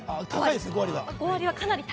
高いですね。